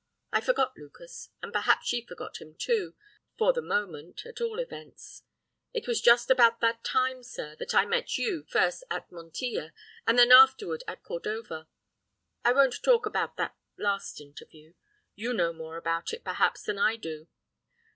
I forgot Lucas, and perhaps she forgot him too for the moment, at all events. It was just about that time, sir, that I met you, first at Montilla, and then afterward at Cordova. I won't talk about that last interview. You know more about it, perhaps, than I do.